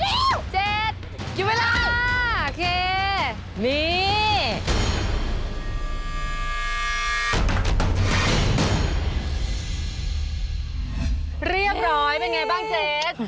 เรียบร้อยเป็นไงบ้างเจ๊